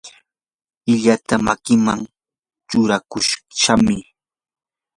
illata makiman churakushaqam.